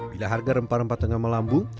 bila harga rempah rempah tengah melambung